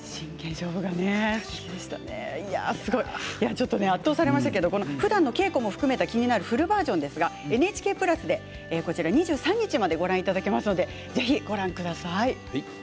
ちょっと圧倒されましたけれどもふだんの稽古も含めた気になるフルバージョンですがＮＨＫプラスで２３日までご覧いただけますのでぜひご覧ください。